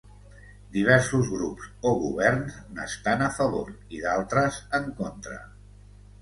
Diversos grups o governs n'estan a favor i d'altres en contra.